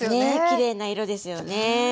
きれいな色ですよね。